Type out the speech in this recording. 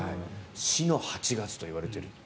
死の８月といわれている。